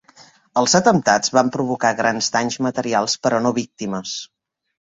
Els atemptats van provocar grans danys materials però no víctimes.